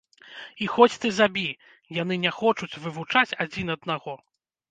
І хоць ты забі, яны не хочуць вывучаць адзін аднаго.